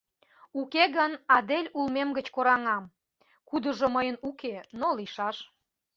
Уке гын адель улмем гыч кораҥам, кудыжо мыйын уке, но лийшаш.